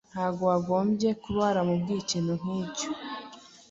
Ntabwo wagombye kuba waramubwiye ikintu nkicyo.